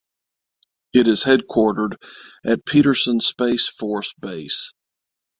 It is headquartered at Peterson Space Force Base.